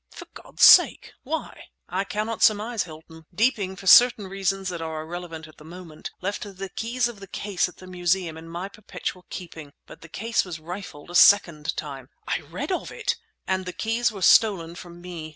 "For God's sake, why?" "I cannot surmise, Hilton. Deeping, for certain reasons that are irrelevant at the moment, left the keys of the case at the Museum in my perpetual keeping—but the case was rifled a second time—" "I read of it!" "And the keys were stolen from me.